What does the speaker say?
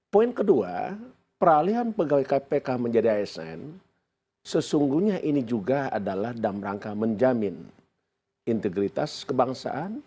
poin kedua peralihan pegawai kpk menjadi asn sesungguhnya ini juga adalah dalam rangka menjamin integritas kebangsaan